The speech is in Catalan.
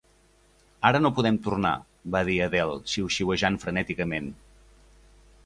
"Ara no podem tornar", va dir Adele xiuxiuejant frenèticament.